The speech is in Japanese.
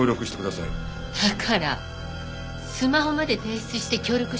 だからスマホまで提出して協力したでしょ？